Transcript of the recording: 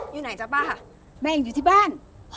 อยู่ไหนจ๊ะป้าแม่ยังอยู่ที่บ้าน